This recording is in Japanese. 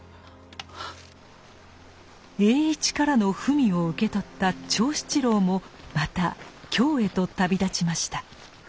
栄一からの文を受け取った長七郎もまた京へと旅立ちました。